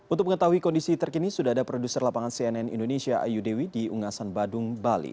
untuk mengetahui kondisi terkini sudah ada produser lapangan cnn indonesia ayu dewi di ungasan badung bali